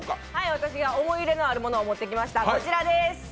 私が思い入れのあるものを持ってきました。